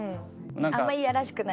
あんまいやらしくない。